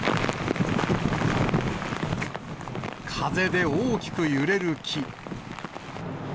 風で大きく揺れる木。